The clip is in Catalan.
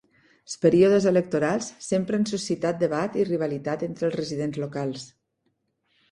Els períodes electorals sempre han suscitat debat i rivalitat entre els residents locals.